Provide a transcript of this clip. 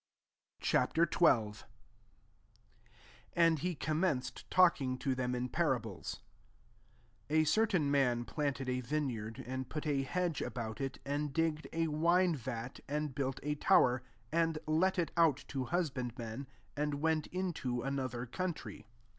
Ch. XII. 1 And he commen ced talking to them in parables, « A certain man planted a vine yard, and put a hedge about it, and digged a wine vat, and built a tower, and let it out to hus bandmen; and went into ano ther country.